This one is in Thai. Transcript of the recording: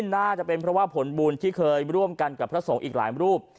น่าจะเป็นเพราะว่าผลบุญที่เคยร่วมกันกับพระสงฆ์อีกหลายรูป